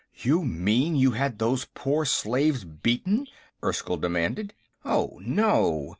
"You mean you had those poor slaves beaten?" Erskyll demanded. "Oh, no.